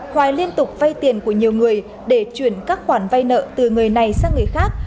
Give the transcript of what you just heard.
hoài liên tục vay tiền của nhiều người để chuyển các khoản vay nợ từ người này sang người khác